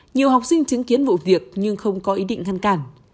nhiều học sinh chứng kiến vụ việc nhưng không có ý định ngăn cản